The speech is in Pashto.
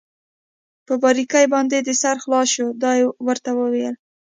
په باریکۍ باندې دې سر خلاص شو؟ دا يې ورته وویل.